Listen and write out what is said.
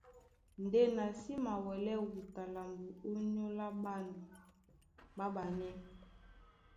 Ndé na sí mawɛlɛ́ wuta lambo ónyólá ɓân ɓáɓanɛ́.